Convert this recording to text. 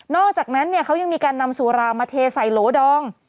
อกจากนั้นเขายังมีการนำสุรามาเทใส่โหลดอง